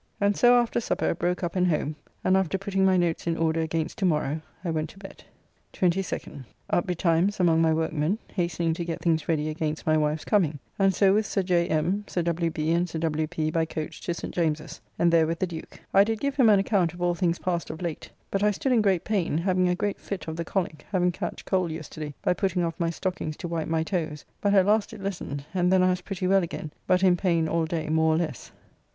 And so after supper broke up and home, and after putting my notes in order against to morrow I went to bed. 22nd. Up betimes among my workmen, hastening to get things ready against my wife's coming, and so with Sir J. M., Sir W. B., and Sir W. P., by coach to St. James's, and there with the Duke. I did give him an account of all things past of late; but I stood in great pain, having a great fit of the colic, having catched cold yesterday by putting off my stockings to wipe my toes, but at last it lessened, and then I was pretty well again, but in pain all day more or less.